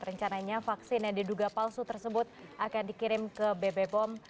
rencananya vaksin yang diduga palsu tersebut akan dikirim ke bb pom